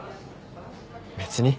別に。